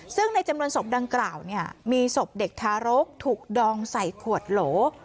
ซึ่งในจำนวนศพดังกล่าวมีศพเด็กทารกถูกดองใส่ขวดโหล